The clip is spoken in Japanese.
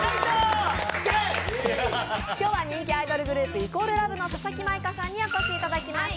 今日は人気アイドルグループ＝ＬＯＶＥの佐々木舞香さんにお越しいただきました。